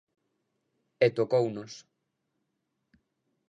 E tocounos...